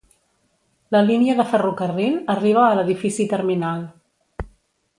La línia de ferrocarril arriba a l'edifici terminal.